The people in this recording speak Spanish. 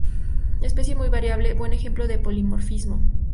Especie muy variable, buen ejemplo de polimorfismo.